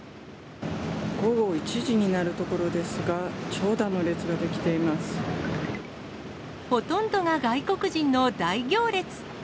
午後１時になるところですが、ほとんどが外国人の大行列。